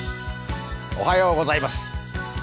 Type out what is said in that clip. おはようございます。